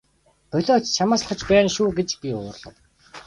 Болиоч чамаас залхаж байна шүү гэж би уурлав.